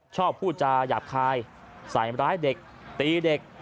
พูดจาหยาบคายใส่ร้ายเด็กตีเด็ก